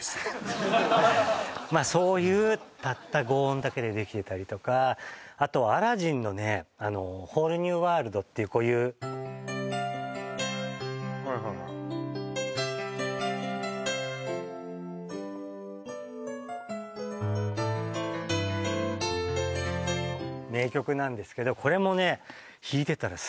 まあそういうたった５音だけでできてたりとかあと「アラジン」のね「ホール・ニュー・ワールド」っていうこういう名曲なんですけどこれもね